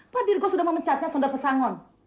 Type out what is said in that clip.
pak dirgo sudah memecatnya sunda pesangon